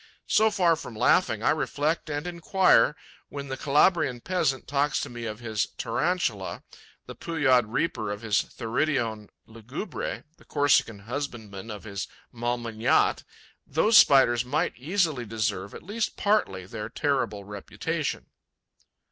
So far from laughing, I reflect and enquire, when the Calabrian peasant talks to me of his Tarantula, the Pujaud reaper of his Theridion lugubre, the Corsican husbandman of his Malmignatte. Those Spiders might easily deserve, at least partly, their terrible reputation.